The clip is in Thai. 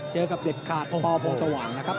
เจอกับเด็ดขาดพบโพสว่างนะครับ